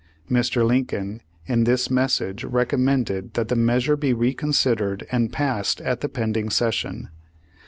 Mr. Lincoln, in this message recom mended that the measure be reconsidered and passed at the pending session.